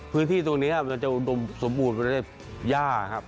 พื้นที่ตรงนี้ครับมันจะสมบูรณ์เป็นแย่ครับ